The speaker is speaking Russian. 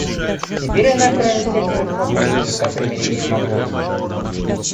Теперь она, кроме всех своих хлопот, занята примирением Облонских.